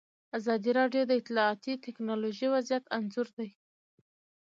ازادي راډیو د اطلاعاتی تکنالوژي وضعیت انځور کړی.